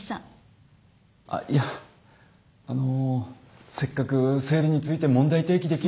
あっいやあのせっかく生理について問題提起できる。